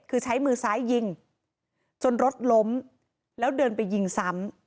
คือใช้มือซ้ายยิงจนรถล้มแล้วเดินไปยิงซ้ำ